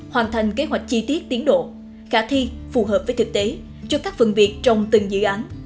hoàn thành kế hoạch chi tiết tiến độ khả thi phù hợp với thực tế cho các phần việc trong từng dự án